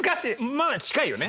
まあ近いよね？